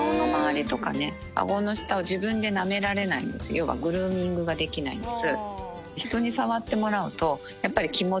要はグルーミングができないんです。